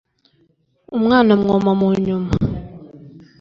umwana amwoma mu nyuma.